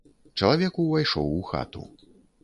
Чалавек увайшоў у хату.